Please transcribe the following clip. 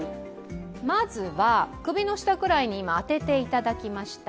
まずは、首の下くらいに今、当てていただきました。